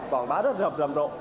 còn bán rất rầm rộn